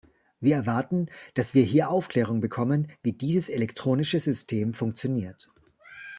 Wir erwarten, dass wir hier Aufklärung bekommen, wie dieses elektronische System funktioniert.